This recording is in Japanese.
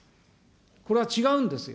これは違うんですよ。